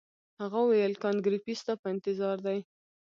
هغه وویل کانت ګریفي ستا په انتظار دی.